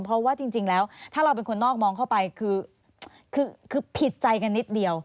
เพราะว่าจริงแล้วถ้าเราเป็นคนนอกมองเข้าไปคือผิดใจกันนิดเดียว